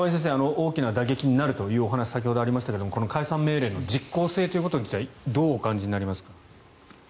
大きな打撃になるという話が先ほどありましたが解散命令の実効性というところについてどうお感じになりますか。